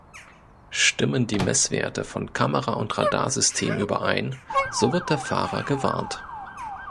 Stimmen die Messwerte von Kamera- und Radarsystem überein, so wird der Fahrer gewarnt.